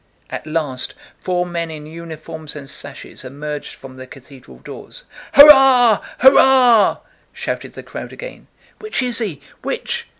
At last four men in uniforms and sashes emerged from the cathedral doors. "Hurrah! hurrah!" shouted the crowd again. "Which is he? Which?"